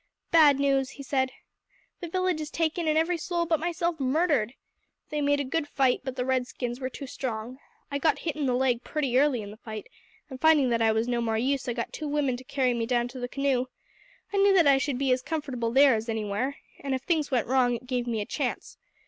"Bad news," he said. "The village is taken, and every soul but myself murdered! They made a good fight, but the red skins were too strong. I got hit in the leg pretty early in the fight, and, finding that I was no more use, I got two women to carry me down to the canoe. I knew that I should be as comfortable there as anywhere, and if things went wrong it gave me a chance.